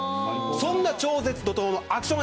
そんな超絶怒とうのアクション